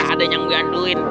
ada yang gantuin